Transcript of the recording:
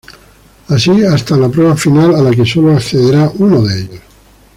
Así hasta la prueba final, a la que solo accederá uno de ellos.